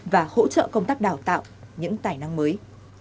và hỗ trợ công tác đào tạo những tài năng mới